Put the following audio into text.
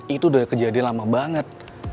itu udah kejadian lama banget